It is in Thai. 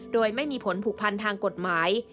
โดยไม่มีผลผูกพันทางกฎหมาย